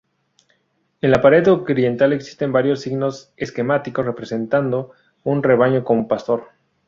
En la pared oriental existen varios signos esquemáticos representando un rebaño con pastor.